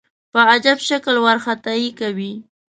په عجیب شکل وارخطايي کوي.